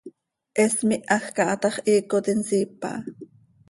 He smihaj caha tax, hiicot insiip aha.